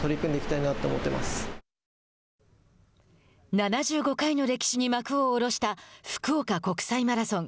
７５回の歴史に幕を下ろした福岡国際マラソン。